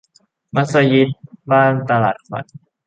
มัสยิดบ้านตลาดขวัญ